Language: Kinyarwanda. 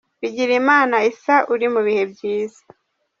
Bigirimana Issa uri mu bihe byiza.